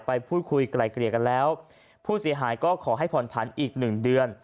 ไปพูดคุยไกลเกลี่ยกันแล้วผู้เสียหายก็ขอให้ผ่อนผันอีกหนึ่งเดือน